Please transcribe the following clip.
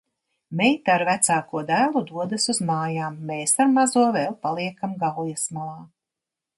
Meita ar vecāko dēlu dodas uz mājām. Mēs ar mazo vēl paliekam Gaujas malā.